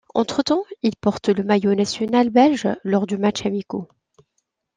Entre temps, il porte le maillot national belge lors de matchs amicaux.